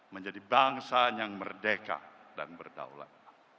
menjadi bangsa yang merdeka dan berdaulat